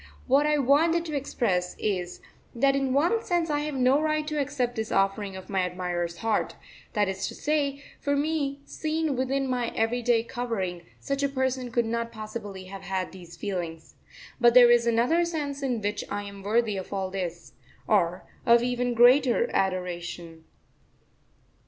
What I wanted to express is, that in one sense I have no right to accept this offering of my admirer's heart; that is to say, for me, seen within my everyday covering, such a person could not possibly have had these feelings. But there is another sense in which I am worthy of all this, or of even greater adoration.